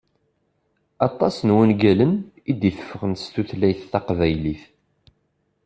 Aṭas n wungalen i d-iteffɣen s tutlayt taqbaylit.